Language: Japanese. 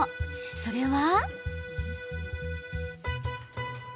それは。